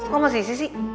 kok gak sisi sih